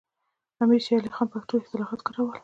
امیر شیر علي خان پښتو اصطلاحات کارول.